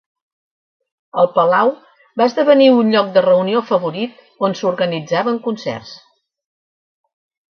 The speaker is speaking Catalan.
El palau va esdevenir un lloc de reunió favorit on s'organitzaven concerts.